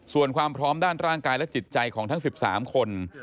ส่วนความพร้อมด้านร่างกายและจิตใจของทั้ง๑๓คน